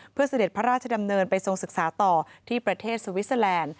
เพื่อเสด็จพระราชดำเนินไปทรงศึกษาต่อที่ประเทศสวิสเตอร์แลนด์